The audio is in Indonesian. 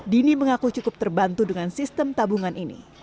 dini mengaku cukup terbantu dengan sistem tabungan ini